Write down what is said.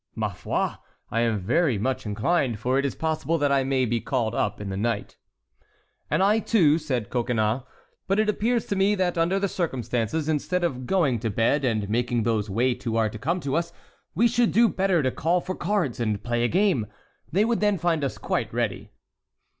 "Ma foi! I am very much inclined, for it is possible that I may be called up in the night." "And I, too," said Coconnas; "but it appears to me that, under the circumstances, instead of going to bed and making those wait who are to come to us, we should do better to call for cards and play a game. They would then find us quite ready."